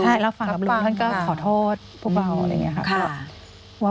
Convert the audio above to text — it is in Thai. ใช่รับฟังกับลุงท่านก็ขอโทษพวกเราอะไรอย่างนี้ค่ะ